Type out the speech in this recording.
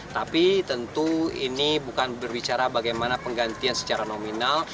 tapi tentu ini bukan berbicara bagaimana penggantian secara nominal